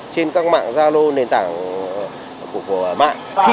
trên các mạng giao lô nền tảng của mạng